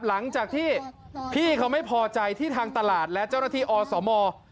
หลังจากที่พี่เขาไม่พอใจที่ทางตลาดและเจ้าหน้าที่อสม